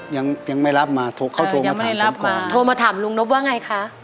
ยังยังไม่รับมาโทรเขาโทรมาถามผมก่อนโทรมาถามลุงนพว่าไงคะ